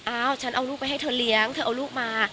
ฉันเอาลูกไปให้เธอเลี้ยงเธอเอาลูกมา